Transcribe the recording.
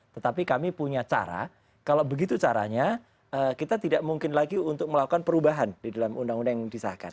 tetapi kami punya cara kalau begitu caranya kita tidak mungkin lagi untuk melakukan perubahan di dalam undang undang yang disahkan